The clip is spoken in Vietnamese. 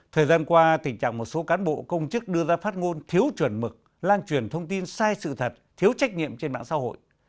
thời gian qua tình trạng một số cán bộ công chức đưa ra phát ngôn thiếu chuẩn mực lan truyền thông tin sai sự thật thiếu trách nhiệm trên mạng xã hội